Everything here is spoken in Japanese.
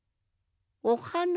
おはな